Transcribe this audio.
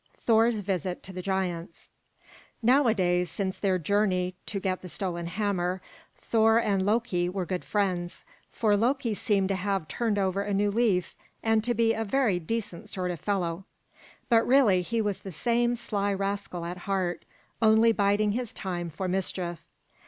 THOR'S VISIT TO THE GIANTS Nowadays, since their journey to get the stolen hammer, Thor and Loki were good friends, for Loki seemed to have turned over a new leaf and to be a very decent sort of fellow; but really he was the same sly rascal at heart, only biding his time for mischief.